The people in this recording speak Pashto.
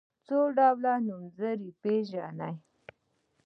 څو ډوله نومځري پيژنئ.